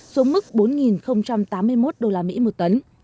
số mức bốn tám mươi một usd một tấn